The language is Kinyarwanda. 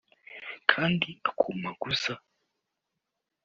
kandi akumaguza